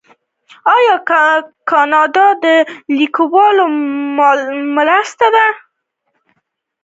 آیا کاناډا د لیکوالانو ملاتړ نه کوي؟